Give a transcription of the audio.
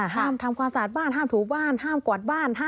ห้ามทำความสะอาดบ้านห้ามถูบ้านห้ามกวาดบ้าน